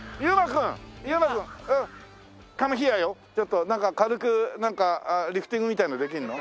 ちょっとなんか軽くなんかリフティングみたいなのできるの？